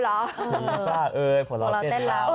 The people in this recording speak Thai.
ผีฝ้าเฮ่ยปุ๊คต้องเล่นรำ